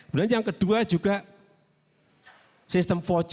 kemudian yang kedua juga sistem empat g